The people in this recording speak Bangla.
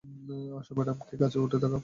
আসো, ম্যাডাম কে গাছে উঠে দেখাও।